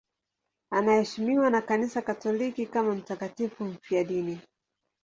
Anaheshimiwa na Kanisa Katoliki kama mtakatifu mfiadini.